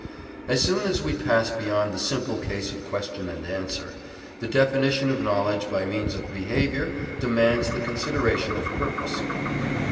As soon as we pass beyond the simple case of question and answer, the definition of knowledge by means of behaviour demands the consideration of purpose.